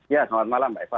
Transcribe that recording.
ya selamat malam mbak eva